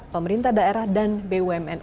pemerintah daerah dan bumn